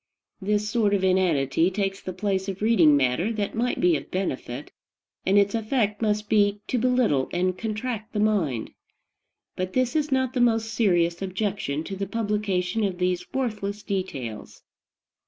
This sort of inanity takes the place of reading matter that might be of benefit, and its effect must be to belittle and contract the mind. But this is not the most serious objection to the publication of these worthless details.